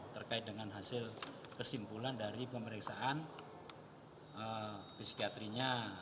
terkait dengan hasil kesimpulan dari pemeriksaan psikiatrinya